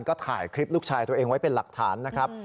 ก็ถ่ายคลิปลูกชายตัวเองไว้เป็นหลักฐานนะครับ